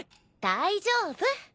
大丈夫。